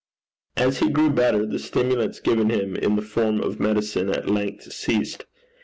As he grew better, the stimulants given him in the form of medicine at length ceased.